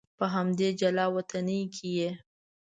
په همدې جلا وطنۍ کې یې.